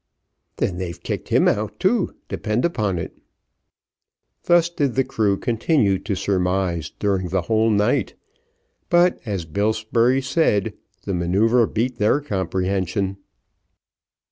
"Then they've kicked him out too, depend upon it." Thus did the crew continue to surmise during the whole night, but, as Bill Spurey said, the manoeuvre beat their comprehension.